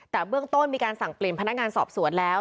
แต่เบื้องต้นมีการสั่งเปลี่ยนพนักงานสอบสวนแล้ว